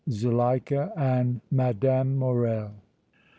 ZULEIKA AND MME. MORREL.